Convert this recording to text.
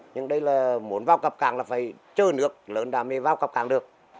nhưng đây là muốn vào cặp cảng là phải chơ nước lớn đam mê vào cặp cảng được